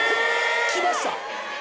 きました